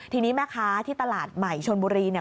ทีนี้แม่ค้าที่ตลาดใหม่ชนบุรีเนี่ย